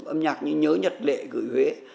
âm nhạc như nhớ nhật lệ gửi huế